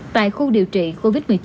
tại khu điều trị covid một mươi chín